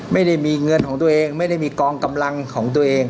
ไม่ได้มีเงินของตัวเองไม่ได้มีกองกำลังของตัวเอง